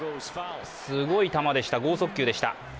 すごい球でした、剛速球でした。